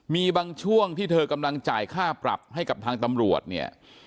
มีบางช่วงที่เธอกำลังจ่ายค่าปรับให้กับทางตำรวจเนี่ย